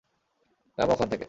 নামো ওখান থেকে!